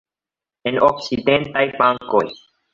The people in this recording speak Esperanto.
En okcidentaj bankoj.